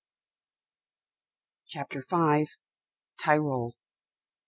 CHAPTER V TYROL.